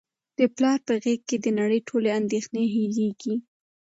د پلار په غیږ کي د نړۍ ټولې اندېښنې هیرېږي.